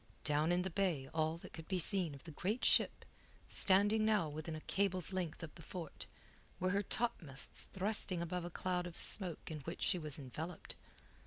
Down in the bay all that could be seen of the great ship, standing now within a cable's length of the fort, were her topmasts thrusting above a cloud of smoke in which she was enveloped.